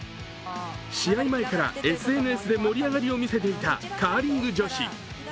試合前からＳＮＳでの盛り上がりを見せていたカーリング女子。